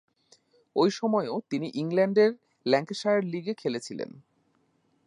ঐ সময়েও তিনি ইংল্যান্ডের ল্যাঙ্কাশায়ার লীগে খেলেছিলেন।